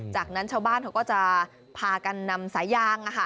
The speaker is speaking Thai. จากนั้นชาวบ้านเขาก็จะพากันนำสายยาง